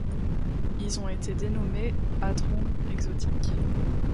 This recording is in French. Ils ont été dénommés hadrons exotiques.